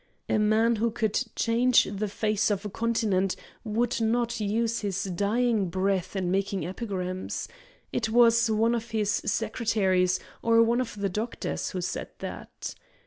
A man who could change the face of a continent would not use his dying breath in making epigrams. It was one of his secretaries or one of the doctors who said that.